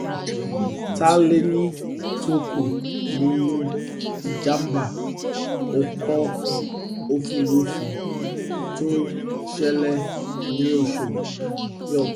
Ta lẹni tó kú nínú ìjàmbá okọ̀ òfurufú tó ṣẹlẹ̀ ní Oshòdì?